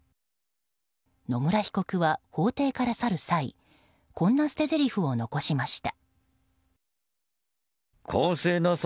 野村被告は、法廷から去る際こんな捨てぜりふを残しました。